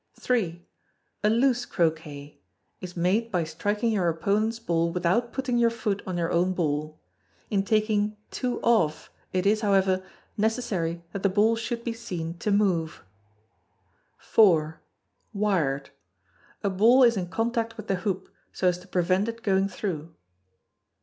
iii. A loose Croquet is made by striking your opponent's ball without putting your foot on your own ball. In taking "two off" it is, however, necessary that the ball should be seen to move. iv. Wired. A ball is in contact with a hoop, so as to prevent it going through.